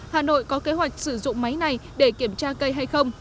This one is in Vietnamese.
hà nội có kế hoạch sử dụng máy này để kiểm tra cây hay không